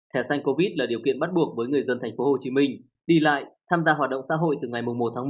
thẻ xanh covid là điều kiện bắt buộc với người dân tp hcm đi lại